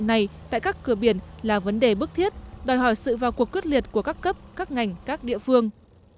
này tại các cửa biển là vấn đề bức thiết đòi hỏi sự vào cuộc quyết liệt của các cấp các ngành các địa phương